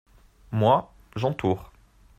Moi, j’entoure.